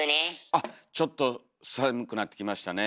あちょっと寒くなってきましたね。